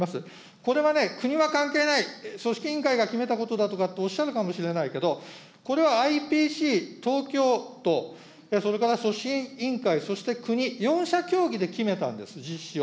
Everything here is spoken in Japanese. これはね、国は関係ない、組織委員会が決めたことだとおっしゃるかもしれないけど、これはＩＰＣ、東京都、それから組織委員会、そして国、４者協議で決めたんです、実施を。